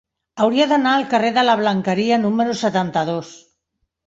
Hauria d'anar al carrer de la Blanqueria número setanta-dos.